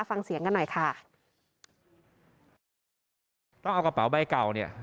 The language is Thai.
ฟังเสียงกันหน่อยค่ะต้องเอากระเป๋าใบเก่าเนี่ย